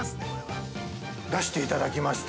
◆出していただきました。